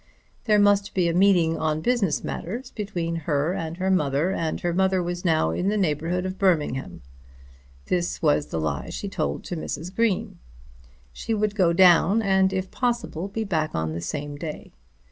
There must be a meeting on business matters between her and her mother, and her mother was now in the neighbourhood of Birmingham. This was the lie told to Mrs. Green. She would go down, and, if possible, be back on the same day.